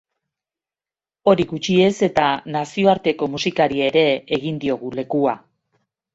Hori gutxi ez eta, nazioarteko musikari ere egin diogu lekua.